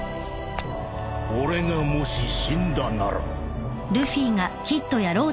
「俺がもし死んだなら」